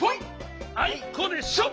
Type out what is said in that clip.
あいこでしょ！